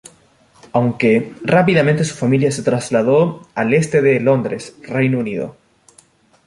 Aunque, rápidamente su familia se trasladó al este de Londres, Reino Unido.